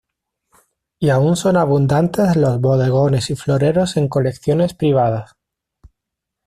Y aún son abundantes los bodegones y floreros en colecciones privadas.